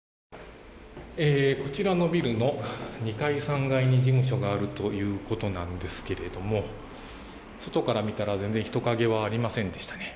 こちらのビルの２階、３階に事務所があるということなんですけども外から見たら全然、人影はありませんでしたね。